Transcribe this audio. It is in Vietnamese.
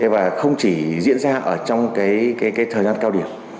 và không chỉ diễn ra ở trong thời gian cao điểm